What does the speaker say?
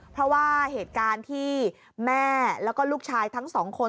เพราะว่าเหตุการณ์ที่แม่แล้วก็ลูกชายทั้งสองคน